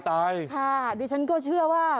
ดิฉันก็เชื่อว่า